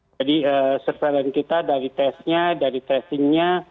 jadi surveillance kita dari tesnya dari tracing nya